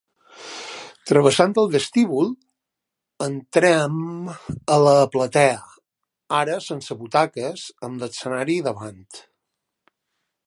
Travessant el vestíbul entrem a la platea, ara sense butaques, amb l'escenari davant.